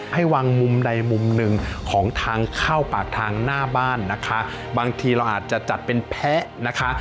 ให้วางมุมใดมุมหนึ่งของทางเข้าปากทางหน้าบ้านนะคะบางทีเราอาจจะจัดเป็นแพ้นะคะ